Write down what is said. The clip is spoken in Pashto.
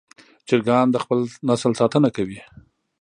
چرګان د خپل نسل ساتنه کوي.